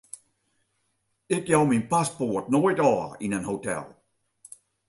Ik jou myn paspoart noait ôf yn in hotel.